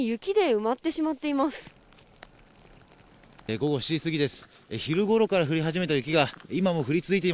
午後７時過ぎです。